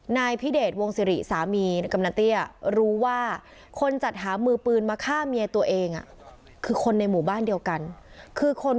นายพิเดชวงศิริสามีกำนันเตี้ยรู้ว่าคนจัดหามือปืนมาฆ่าเมียตัวเองคือคนในหมู่บ้านเดียวกันคือคน